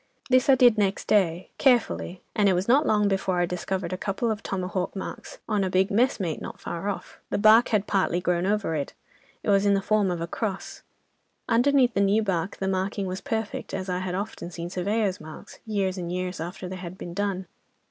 This I did next day, carefully, and it was not long before I discovered a couple of tomahawk marks on a big 'mess mate' not far off. The bark had partly grown over it. It was in the form of a cross. Underneath the new bark the marking was perfect, as I had often seen surveyors' marks, years and years after they had been done.